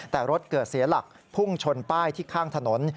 แต่รถเกิดเสียหลักพุ่งชนป้ายที่ข้างถนน